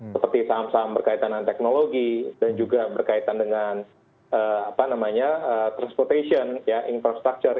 seperti saham saham berkaitan dengan teknologi dan juga berkaitan dengan transportasi infrastructure